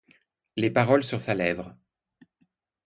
Les paroles sur sa lèvre